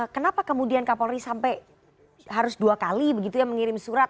kenapa kemudian kapolri sampai harus dua kali begitu ya mengirim surat